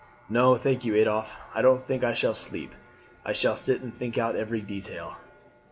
"No, thank you, Adolphe, I don't think I shall sleep; I shall sit and think out every detail."